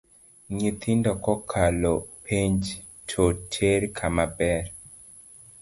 Nyithindo kokalo penj toter kama ber